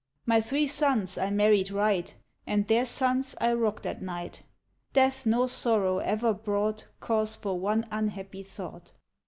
My three sons I married right. And their sons I rocked at night ; Death nor sorrow ever brought Cause for one unhappy thought.